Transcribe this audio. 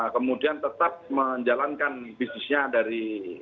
kemudian tetap menjalankan bisnisnya dari